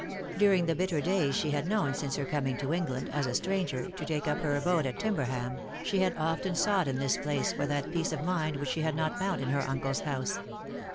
During the bitter days she had known since her coming to England, as a stranger, to take up her abode at Timberham, she had often sought in this place for that peace of mind which she had not found in her ancle's house.